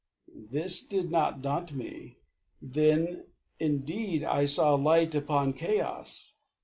This did not daunt me, then. Indeed, I saw Light upon chaos.